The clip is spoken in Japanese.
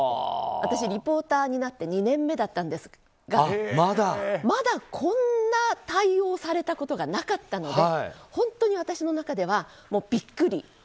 私、リポーターになって２年目だったんですがまだこんな対応をされたことがなかったので本当に私の中ではビックリ。